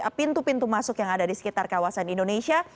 ada pintu pintu masuk yang ada di sekitar kawasan indonesia